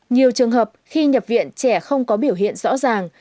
nhiều trường hợp khi nhập viện trẻ không có biểu hiện rõ ràng